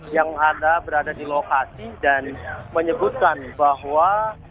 yang ada berada di lokasi dan menyebutkan bahwa